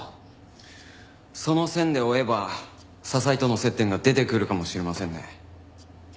その線で追えば笹井との接点が出てくるかもしれませんね。